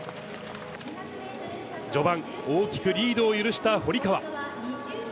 序盤、大きくリードを許した堀川。